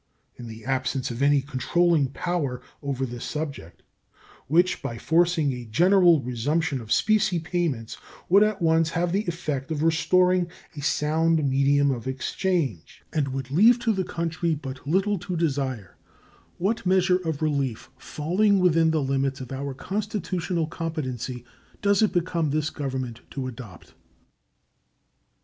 In the absence of any controlling power over this subject, which, by forcing a general resumption of specie payments, would at once have the effect of restoring a sound medium of exchange and would leave to the country but little to desire, what measure of relief falling within the limits of our constitutional competency does it become this Government to adopt?